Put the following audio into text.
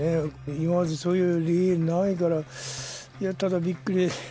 今までそういう例ないから、ただびっくり。